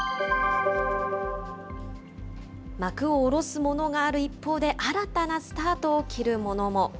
幕を下ろすものがある一方で、新たなスタートを切るものも。